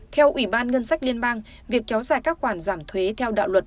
theo ủy ban ngân sách liên bang việc kéo dài các khoản giảm thuế theo đạo luật